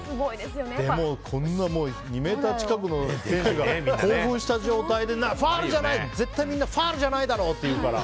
でも、２ｍ近くの選手が興奮した状態で絶対みんなファウルじゃないだろって言うから。